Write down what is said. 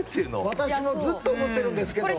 私はずっと思ってるんですけど。